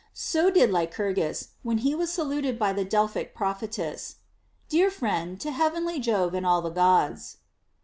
So did Lycurgus, when he was saluted by the Delphic prophetess, Dear friend to heavenly Jove and all the Gods.